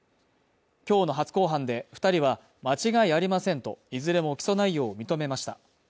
今日の初公判で、２人は間違いありませんと、いずれも起訴内容を認めました。